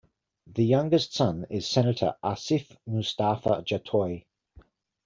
The Youngest son is Senator Asif Mustafa Jatoi.